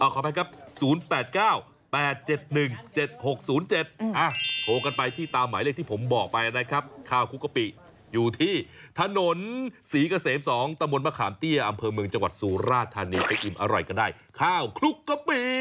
ขออภัยครับ๐๘๙๘๗๑๗๖๐๗โทรกันไปที่ตามหมายเลขที่ผมบอกไปนะครับข้าวคลุกกะปิอยู่ที่ถนนศรีเกษม๒ตะมนตมะขามเตี้ยอำเภอเมืองจังหวัดสุราธานีไปอิ่มอร่อยกันได้ข้าวคลุกกะปิ